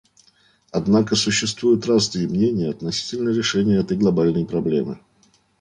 Однако существуют разные мнения относительно решения этой глобальной проблемы.